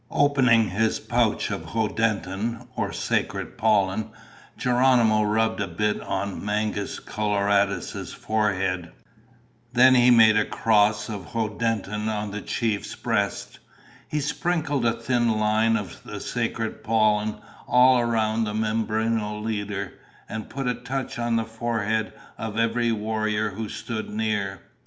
Opening his pouch of hoddentin, or sacred pollen, Geronimo rubbed a bit on Mangus Coloradus' forehead. Then he made a cross of hoddentin on the chief's breast. He sprinkled a thin line of the sacred pollen all around the Mimbreno leader and put a touch on the forehead of every warrior who stood near.